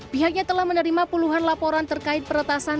pihaknya telah menerima puluhan laporan terkait peretasan